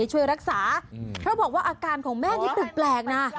ให้ช่วยรักษาเขาบอกว่าอาการของแม่นี่ตื่นแปลกนะ